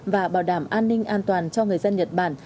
và bảo đảm an ninh an toàn cho người dân nhật bản